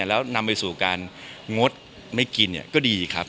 แล้วนำไปสู่การงดไม่กินก็ดีครับ